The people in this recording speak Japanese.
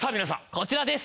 こちらです！